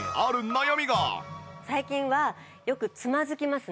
最近はよくつまずきますね。